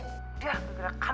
udah gue gerakan